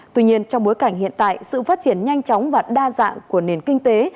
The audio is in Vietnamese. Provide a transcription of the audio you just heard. tuy nhiên trong bối cảnh hiện tại sự phát triển nhanh chóng và đa dạng của nền kinh tế